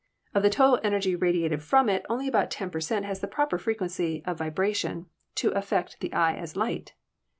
Of the total energy radiated from it only about 10 per cent, has the proper frequency of vibration to affect the eye as light.